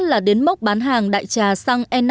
là đến mốc bán hàng đại trà xăng e năm